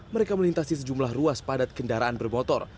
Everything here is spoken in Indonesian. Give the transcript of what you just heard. mereka melintasi sejumlah ruas padat kendaraan bermotor